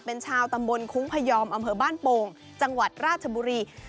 เป็นชาวตำบลคุ้งพยอมอำเภอบ้านโป่งจังหวัดราชบุรี